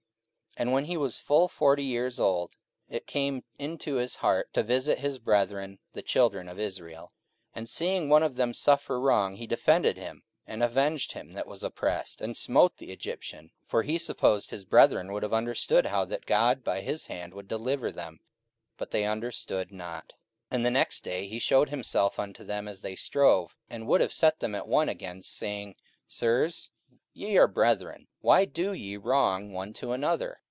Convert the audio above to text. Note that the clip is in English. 44:007:023 And when he was full forty years old, it came into his heart to visit his brethren the children of Israel. 44:007:024 And seeing one of them suffer wrong, he defended him, and avenged him that was oppressed, and smote the Egyptian: 44:007:025 For he supposed his brethren would have understood how that God by his hand would deliver them: but they understood not. 44:007:026 And the next day he shewed himself unto them as they strove, and would have set them at one again, saying, Sirs, ye are brethren; why do ye wrong one to another?